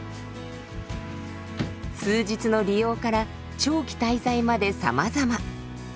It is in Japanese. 数日の利用から長期滞在までさまざま。